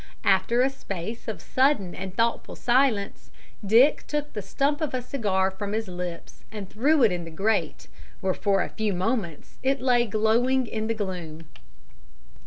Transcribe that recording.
After a space of sudden and thoughtful silence, Dick took the stump of a cigar from his lips and threw it in the grate, where for a few moments it lay glowing in the gloom.